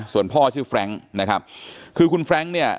ส่วนพ่อชื่อแฟรงค์นะครับคือคุณแฟรงค์เนี่ย